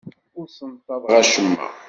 Ur ssenṭaḍeɣ acemma.